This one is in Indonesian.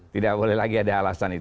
tidak boleh lagi ada alasan itu